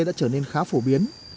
đã trở nên khá phổ biến